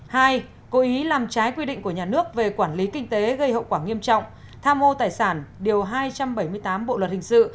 hai cố ý làm trái quy định của nhà nước về quản lý kinh tế gây hậu quả nghiêm trọng tham ô tài sản điều hai trăm bảy mươi tám bộ luật hình sự